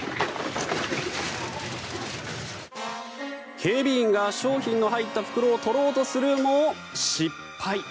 警備員が商品の入った袋を取ろうとするも失敗。